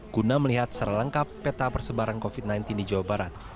guna melihat secara lengkap peta persebaran covid sembilan belas di jawa barat